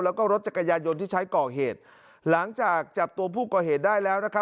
แล้วก็รถจักรยานยนต์ที่ใช้ก่อเหตุหลังจากจับตัวผู้ก่อเหตุได้แล้วนะครับ